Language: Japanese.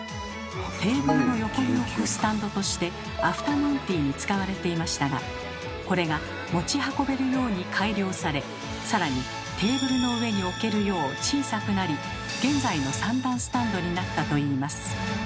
テーブルの横に置くスタンドとしてアフタヌーンティーに使われていましたがこれが持ち運べるように改良されさらにテーブルの上に置けるよう小さくなり現在の三段スタンドになったといいます。